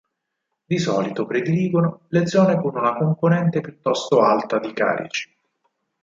Di solito prediligono le zone con una componente piuttosto alta di carici.